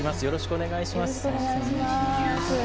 よろしくお願いします。